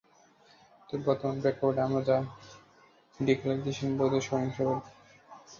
তবে বর্তমান প্রেক্ষাপটে আমরা র্যা ডিকালাইজেশন বলতে সহিংস র্যা ডিকালিজমকেই বোঝাব।